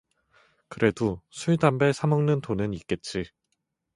그래두 술 담배 사먹는 돈은 있겠지.